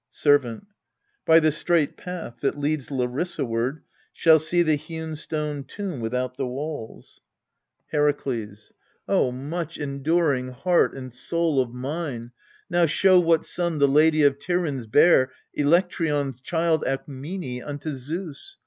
Servant. By the straight path that leads Larissa ward Shall see the hewn stone tomb without the walls. 15 22 6 Hcraklcs. Oh, much enduring heart and soul of mine, Now show what son the Lady of Tiryns bare Elektryon's child Alkmene, unto Zeus.